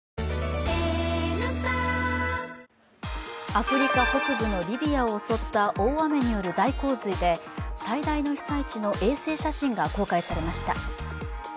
アフリカ北部のリビアを襲った大雨による大洪水で最大の被災地の衛星写真が公開されました。